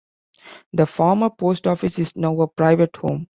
The former Post Office is now a private home.